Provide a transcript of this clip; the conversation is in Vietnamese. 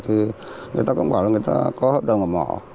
thì người ta cũng bảo là người ta có hợp đồng ở mỏ